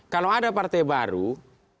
kalau ada pak jokowi saya ini presidennya pak